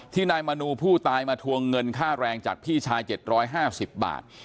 นายมนูผู้ตายมาทวงเงินค่าแรงจากพี่ชาย๗๕๐บาท